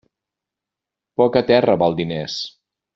Poca terra val diners.